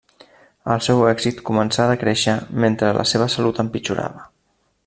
El seu èxit començà a decréixer mentre la seva salut empitjorava.